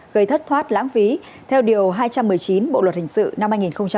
gây thất thoát lãng phí theo điều hai trăm một mươi chín bộ luật hình sự năm hai nghìn một mươi năm